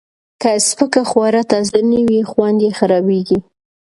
که سپک خواړه تازه نه وي، خوند یې خرابېږي.